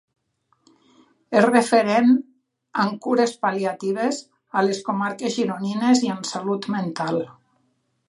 És referent en Cures Pal·liatives a les Comarques gironines i en Salut Mental.